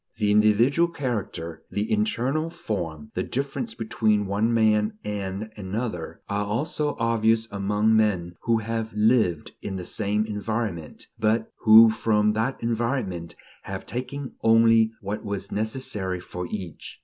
The individual character, the internal form, the difference between one man and another, are also obvious among men who have lived in the same environment, but who from that environment have taken only what was necessary for each.